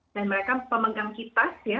dan mereka pemegang kipas ya